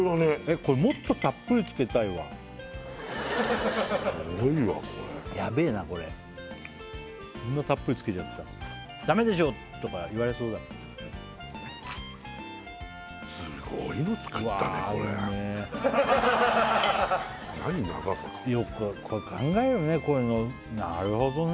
これもっとたっぷりつけたいわヤベえなこれこんなたっぷりつけちゃった「ダメでしょ」とか言われそうだすごいの作ったねこれよく考えるねこういうのなるほどね